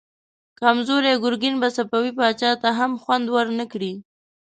کمزوری ګرګين به صفوي پاچا ته هم خوند ورنه کړي.